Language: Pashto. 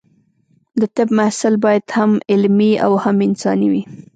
د طب محصل باید هم علمي او هم انساني وي.